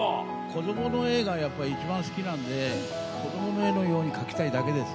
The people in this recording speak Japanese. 子どもの絵がやっぱ一番好きなんで子どもの絵のように描きたいだけです。